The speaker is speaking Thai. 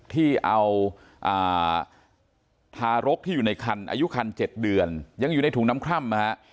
ที่เอาทารกที่อยู่ในคันอายุคัน๗เดือนยังอยู่ในถุงน้ำคร่ำนะฮะ